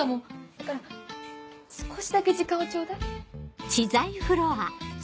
だから少しだけ時間をちょうだい？